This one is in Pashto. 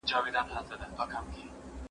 زه اوس موبایل کاروم